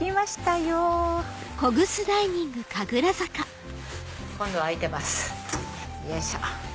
よいしょ。